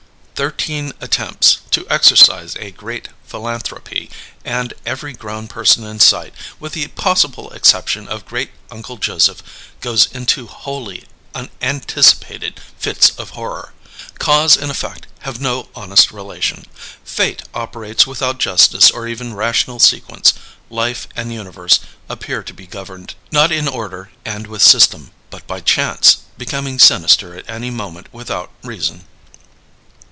Thirteen attempts to exercise a great philanthropy, and every grown person in sight, with the possible exception of Great Uncle Joseph, goes into wholly unanticipated fits of horror. Cause and effect have no honest relation: Fate operates without justice or even rational sequence; life and the universe appear to be governed, not in order and with system, but by Chance, becoming sinister at any moment without reason.